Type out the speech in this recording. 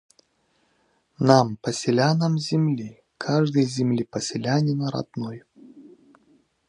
Нам, Поселянам Земли, каждый Земли Поселянин родной.